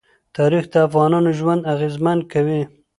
تاریخ د افغانانو ژوند اغېزمن کوي.